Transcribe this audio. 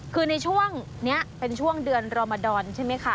คือในช่วงนี้เป็นช่วงเดือนรมดรใช่ไหมคะ